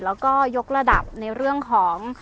แล้วก็ยกระดับในเรื่องของ